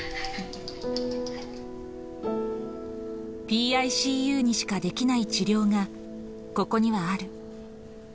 ＰＩＣＵにしかできない治療が、ここにはある。